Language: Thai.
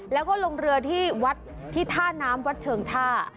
แล้วก็ลงเรือที่วัดที่ท่าน้ำวัดเชิงท่า